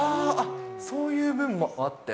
そういう部分もあって。